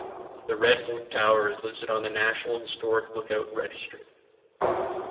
The Red Butte tower is listed on the National Historic Lookout Register.